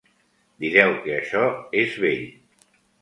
Direu que això és vell.